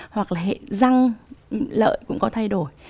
hoặc là hệ răng lợi cũng có thay đổi